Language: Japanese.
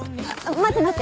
待って待って。